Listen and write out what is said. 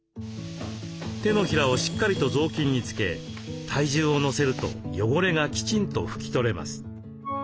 手のひらをしっかりと雑巾につけ体重を乗せると汚れがきちんと拭き取れます。